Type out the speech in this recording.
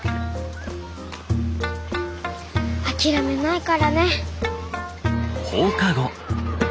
諦めないからね。